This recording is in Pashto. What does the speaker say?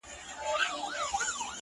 شېرینو نور له لسټوڼي نه مار باسه’